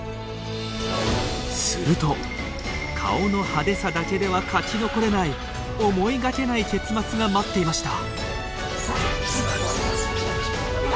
すると顔の派手さだけでは勝ち残れない思いがけない結末が待っていました。